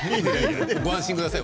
ご安心ください。